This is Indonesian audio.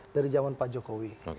dari zaman pak jokowi